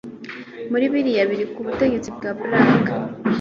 muri biriya biro ku butegetsi bwa Barack